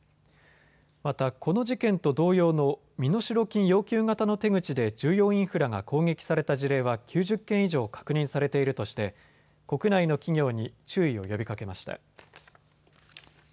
またこの事件と同様の身代金要求型の手口で重要インフラが攻撃された事例は９０件以上確認されているとして国内の企業に注意を呼びかけました。